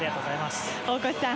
大越さん